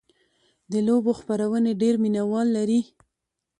د لوبو خپرونې ډېر مینهوال لري.